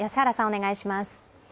お願いします。